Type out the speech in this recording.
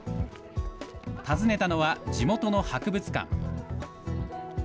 訪ねたのは地元の博物館。